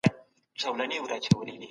دغه مرغۍ تر آسمان پوري البوتله.